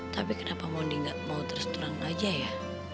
tapi kenapa mondi gak mau terserang aja ya